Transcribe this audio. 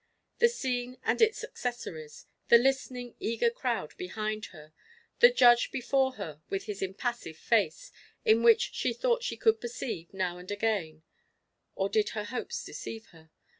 The scene and its accessories the listening, eager crowd behind her, the judge before her with his impassive face, in which she thought she could perceive, now and again or did her hopes deceive her?